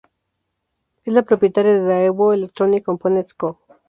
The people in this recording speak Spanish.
Es la propietaria de Daewoo Electronic Components Co.